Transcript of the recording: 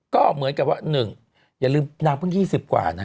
ก็เหมือนกับว่า๑อย่าลืมนางเพิ่ง๒๐กว่านะ